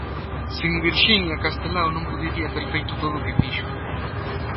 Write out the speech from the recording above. Sen Virxinia, Castelao non podería ter feito todo o que fixo.